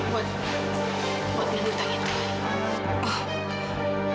buat buat punya utang itu